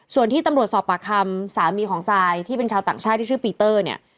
ส่วนที่ตำรวจสอบปากคำสามีของซายที่เป็นชาวต่างชาติที่ชื่อปีเตอร์เนี่ย